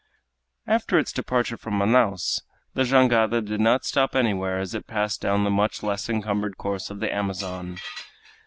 After its departure from Manaos the jangada did not stop anywhere as it passed down the much less encumbered course of the Amazon.